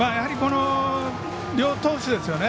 両投手ですよね。